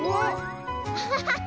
ハハハハ！